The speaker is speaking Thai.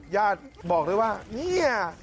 ญาติบอกได้ว่านี่